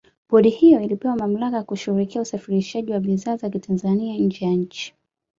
Bodi hiyo ilipewa mamlaka ya kushughulikia usafirishaji wa bidhaa za kitanzania nje ya nchi